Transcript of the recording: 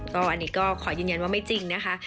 ก็อันนี้ก็ขอยืนยันว่าไม่จริงนะคะ